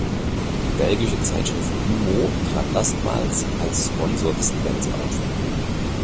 Die belgische Zeitschrift "Humo" trat erstmals als Sponsor des Events auf.